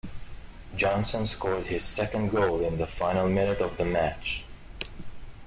Johnson scored his second goal in the final minute of the match.